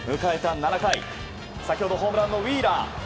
７回先ほどホームランのウィーラー！